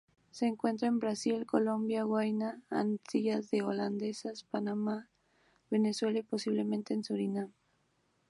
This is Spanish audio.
Se encuentra en Brasil, Colombia, Guyana, Antillas Holandesas, Panamá, Venezuela y, posiblemente, en Surinam.